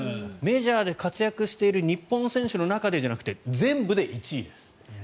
メジャーで活躍している日本選手の中でじゃなくて全部で１位です。